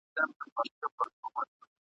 ژوند ریښتونی ژوند جدي دی دلته قبر هدف نه دی !.